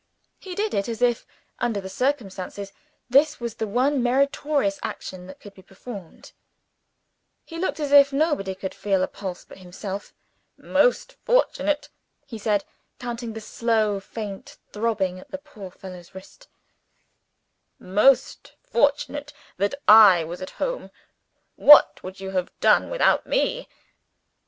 He did it as if, under the circumstances, this was the one meritorious action that could be performed. He looked as if nobody could feel a pulse but himself. "Most fortunate," he said, counting the slow, faint throbbing at the poor fellow's wrist "most fortunate that I was at home. What would you have done without me?"